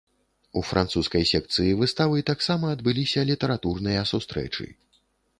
У французскай секцыі выставы таксама адбыліся літаратурныя сустрэчы.